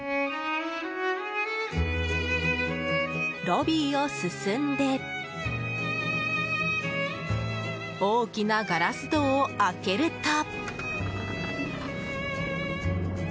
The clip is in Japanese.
ロビーを進んで大きなガラス戸を開けると。